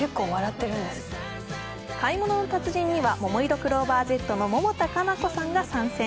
「買い物の達人」にはももいろクローバーＺの百田夏菜子さんが参戦。